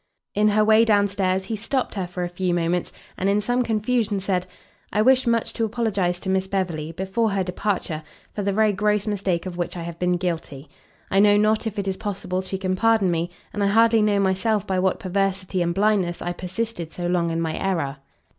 In her way down stairs, he stopt her for a few moments, and in some confusion said "I wish much to apologize to Miss Beverley, before her departure, for the very gross mistake of which I have been guilty. I know not if it is possible she can pardon me, and I hardly know myself by what perversity and blindness I persisted so long in my error."